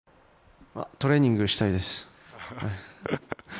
トレーニングをしたいです。